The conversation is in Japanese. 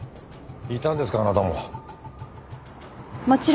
いたんですかあなたも。